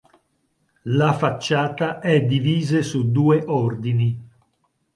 La facciata è divise su due ordini.